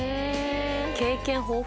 経験豊富。